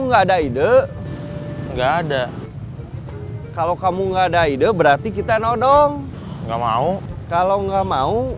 enggak ada ide enggak ada kalau kamu nggak ada ide berarti kita nodong nggak mau kalau nggak mau